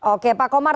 oke pak komar